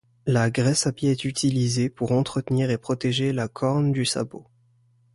La graisse à pieds est utilisée pour entretenir et protéger la corne du sabot.